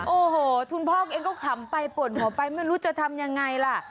โอ้โหคุณพ่อเองก็ขำไปปวดหัวไปไม่รู้จะทำยังไงล่ะ